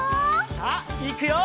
さあいくよ！